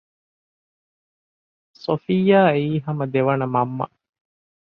ޞަފިއްޔާ އެއީ ހަމަ ދެވަނަ މަންމަ